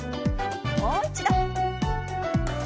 もう一度。